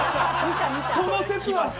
その節は。